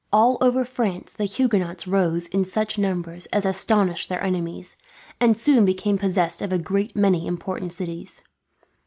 All over France the Huguenots rose in such numbers as astonished their enemies, and soon became possessed of a great many important cities.